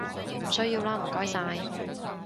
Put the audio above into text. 唔需要喇唔該晒